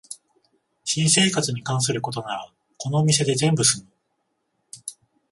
新生活に関することならこのお店で全部すむ